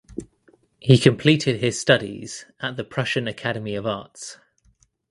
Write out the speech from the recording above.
He completed his studies at the Prussian Academy of Arts.